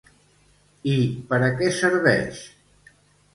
I per a què serveix?